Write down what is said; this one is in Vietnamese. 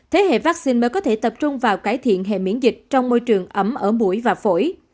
thế hệ vaccine mới có thể tập trung vào cải thiện hệ miễn dịch trong môi trường ẩm ở mũi và phổi